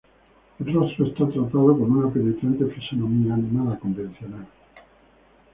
El rostro está tratado con una penetrante fisonomía nada convencional.